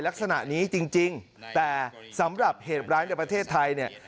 ลักษณะนี้จริงแต่สำหรับเหตุร้ายในประเทศไทยเนี่ย